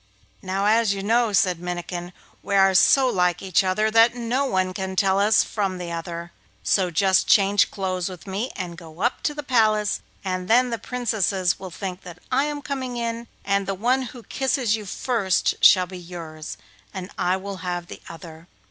'Now, as you know,' said Minnikin, 'we are so like each other that no one can tell one of us from the other; so just change clothes with me and go up to the palace, and then the Princesses will think that I am coming in, and the one who kisses you first shall be yours, and I will have the other.